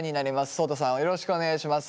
そうたさんよろしくお願いします。